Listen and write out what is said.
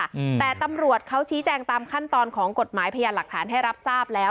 อืมแต่ตำรวจเขาชี้แจงตามขั้นตอนของกฎหมายพยานหลักฐานให้รับทราบแล้ว